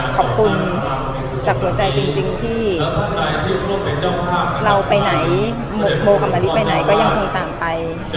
ขอบคุณจากหัวใจจริงที่เราไปไหนโบกับมะลิไปไหนก็ยังคงตามไป